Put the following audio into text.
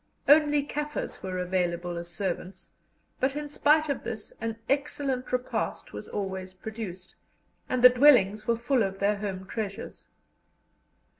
Only Kaffirs were available as servants, but, in spite of this, an excellent repast was always produced, and the dwellings were full of their home treasures.